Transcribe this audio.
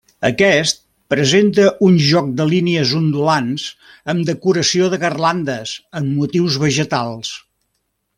Aquest presenta un joc de línies ondulants amb decoració de garlandes amb motius vegetals.